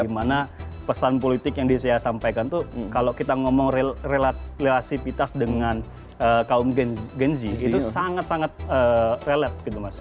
dimana pesan politik yang disampaikan itu kalau kita ngomong relasi pitas dengan kaum genzi itu sangat sangat relat gitu mas